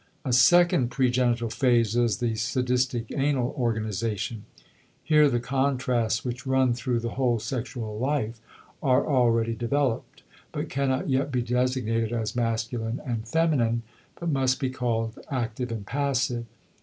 A second pregenital phase is the sadistic anal organization. Here the contrasts which run through the whole sexual life are already developed, but cannot yet be designated as masculine and feminine, but must be called active and passive.